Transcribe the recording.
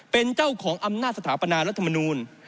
เป็นเจ้าของอำนาจสถาปนารัฐมนูล